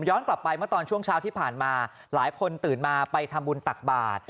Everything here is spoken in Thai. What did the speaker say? กลับไปเมื่อตอนช่วงเช้าที่ผ่านมาหลายคนตื่นมาไปทำบุญตักบาท